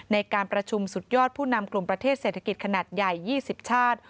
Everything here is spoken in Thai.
ในการประชุมสุดยอดผู้นำกลุ่มประเทศเศรษฐกิจขนาดใหญ่๒๐ชาติ